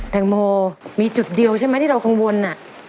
แตงโมมีจุดเดียวใช่ไหมที่เรากังวล